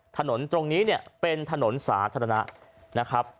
ถนนตรงนี้เป็นถนนสาธารณะ